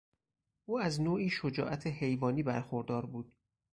او از نوعی شجاعت حیوانی برخوردار بود.